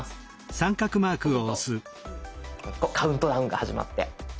そうするとカウントダウンが始まって。